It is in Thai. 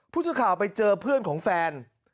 ผู้สื่อข่าวไปเจอเพื่อนของแฟน